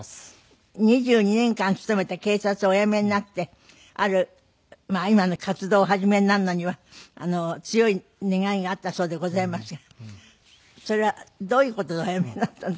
２２年間勤めた警察をお辞めになってある今の活動をお始めになるのには強い願いがあったそうでございますがそれはどういう事でお辞めになったんですか？